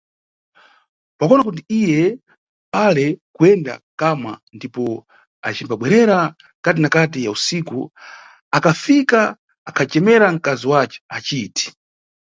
Pakuwona kuti iye pale kuyenda kamwa ndipo acimbabwerera kati na kati ya usiku, akafika akhacemera nkazi wace aciti.